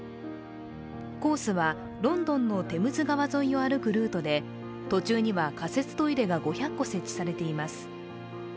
コースはロンドンのテムズ川沿いを歩くルートで途中には仮設トイレが５００個設置されています。